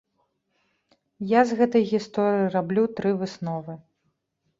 Я з гэтай гісторыі раблю тры высновы.